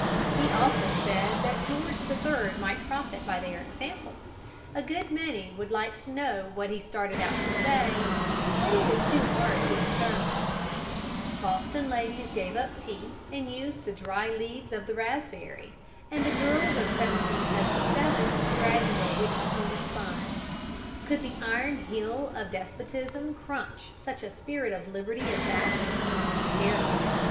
He also said that George the Third might profit by their example. A good many would like to know what he started out to say, but it is too hard to determine. [Illustration: PATRICK HENRY.] Boston ladies gave up tea and used the dried leaves of the raspberry, and the girls of 1777 graduated in homespun. Could the iron heel of despotism crunch such a spirit of liberty as that? Scarcely.